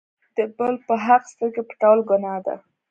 د بل په حق سترګې پټول ګناه ده.